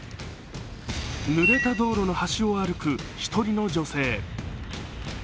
濡れた道路の端を歩く１人の女性。